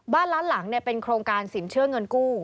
บ้านล้านหลังเป็นโครงการสินเชื่อเงินกู้